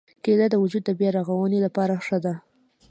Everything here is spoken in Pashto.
کېله د وجود د بیا رغونې لپاره ښه ده.